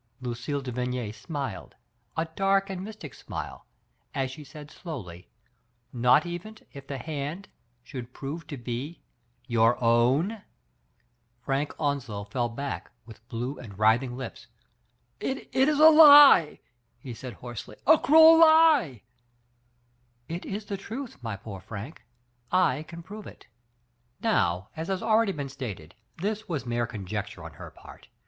*' Lucille de Vigny smiled, a dark and mystic smile, as she said slowly, "Not even if the hand should prove to be your oivn ?" Frank Onslow fell back with blue and writhing lips. "It is a lie," he said hoarsely, "a cruel lier "It is the truth, my poor Frank ; I can prove it." Now, as has been already stated, this was mere conjecture on her part.